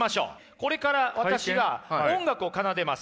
これから私が音楽を奏でます。